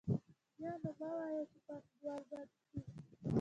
بیا نو مه وایئ چې پانګوال بد دي